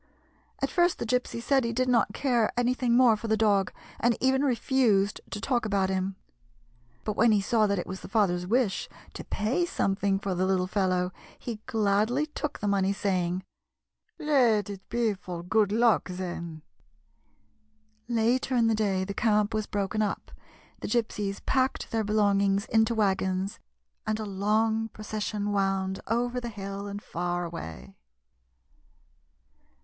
At first the Gypsy said he did not care anything more for the dog, and even refused to talk about him ; but when he 66 THE GYPSY'S FLIGHT saw that it was the father's wish to pay some thing for the little fellow, he gladly took the money, saying :" Let it be for good luck, then." Later in the day the camp was broken up, the Gypsies packed their belongings into wagons, and a long procession wound over the hill and far away.